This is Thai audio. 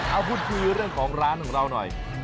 เอาพูดคุยเรื่องของร้านของเราหน่อย